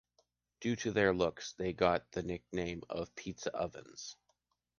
Due to their looks, they got the nickname of “Pizza Ovens”.